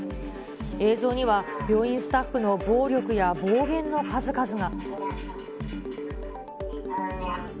映像には病院スタッフの暴力や暴言の数々が。